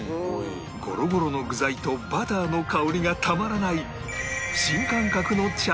ゴロゴロの具材とバターの香りがたまらない